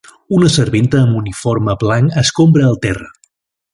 Una serventa amb uniform blanc escombra el terra.